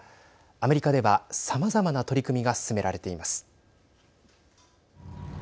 アメリカではさまざまな取り組みが進められています。